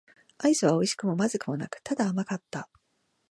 アイスは美味しくも不味くもなく、ただ甘かった。